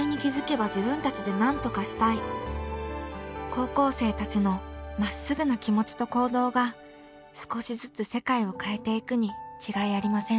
高校生たちのまっすぐな気持ちと行動が少しずつ世界を変えていくに違いありません。